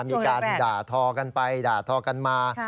มีการด่าทอกันไปด่าทอกันมา